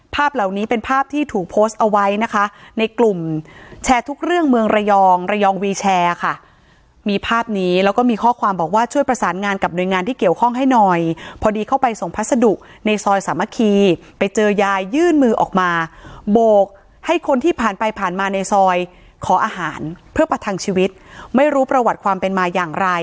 ภาพเหล่านี้เป็นภาพที่ถูกโพสต์เอาไว้นะคะในกลุ่มแชร์ทุกเรื่องเมืองระยองระยองวีแชร์ค่ะมีภาพนี้แล้วก็มีข้อความบอกว่าช่วยประสานงานกับหน่วยงานที่เกี่ยวข้องให้หน่อยพอดีเข้าไปส่งพัสดุในซอยสามัคคีไปเจอยายยื่นมือออกมาโบกให้คนที่ผ่านไปผ่านมาในซอยขออาหารเพื่อประทังชีวิตไม่รู้ประวัติความเป็นมาอย่างไร